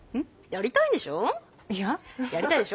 やりたいんでしょ？